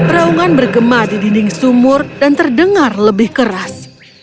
raungan bergema di dinding sumur dan terdengar lebih keras